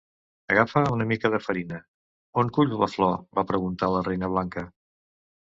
"Agafa una mica de farina ..." "On culls la flor?", va preguntar la Reina blanca.